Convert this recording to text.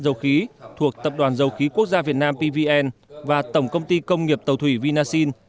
dầu khí thuộc tập đoàn dầu khí quốc gia việt nam pvn và tổng công ty công nghiệp tàu thủy vinasin